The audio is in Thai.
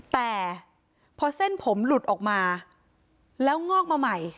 แต่พอเส้นผมหลุดออกมาแล้วงอกมาใหม่